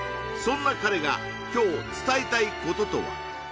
そんな彼が今日伝えたいこととは？